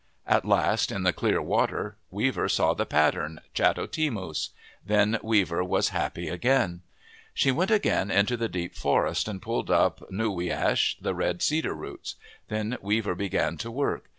At last, in the clear water, Weaver saw the pattern, chato timus. Then Weaver was happy again. She went again into the deep forest and pulled up noo wi ash, the red cedar roots. Then Weaver began to work.